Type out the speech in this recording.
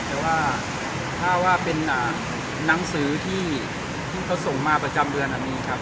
แต่ว่าถ้าว่าเป็นหนังสือที่เขาส่งมาประจำเดือนอันนี้ครับ